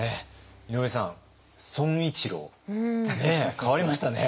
井上さん「損一郎」ね変わりましたね。